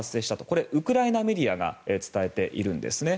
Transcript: これ、ウクライナメディアが伝えているんですね。